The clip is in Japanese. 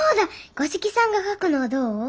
五色さんが描くのはどう？